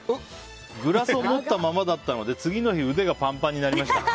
グラスを持ったままだったので次の日、腕がパンパンになりました。